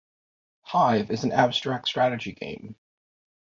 "Hive" is an abstract strategy game.